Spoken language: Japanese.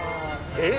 え！